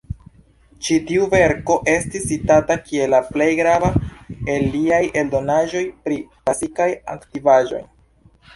Ĉi-tiu verko estis citata kiel la plej grava el liaj eldonaĵoj pri klasikaj antikvaĵoj.